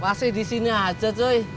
pasti di sini aja joy